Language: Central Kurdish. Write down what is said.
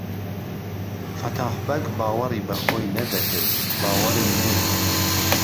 فهتاح بەگ باوەڕی به خۆی نهدهکرد باوەڕینییه